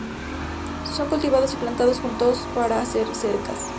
Son cultivados y plantados juntos para hacer cercas.